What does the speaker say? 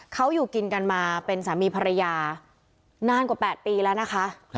เขาอยู่กินกันมาเป็นสามีภรรยานานกว่า๘ปีแล้วนะคะ